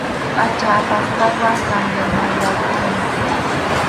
Pʼachan apasqaywan cambianayarquni.